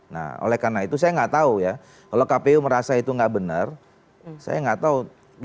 nah oleh karena itu saya nggak tahu ya kalau kpu merasa itu nggak benar saya nggak tahu